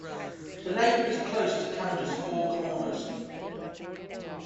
The lake is close to Canada's four corners.